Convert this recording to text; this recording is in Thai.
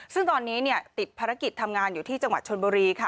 ซึ่งตอนนี้ติดภารกิจทำงานอยู่ที่จังหวัดชนบุรีค่ะ